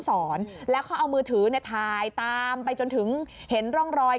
พิธีกรรมการขับย้อนศอนและเขาเอามือถือแทนไปจนถึงเห็นร่องรอย